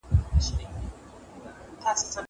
زه بايد ښوونځی ته ولاړ سم!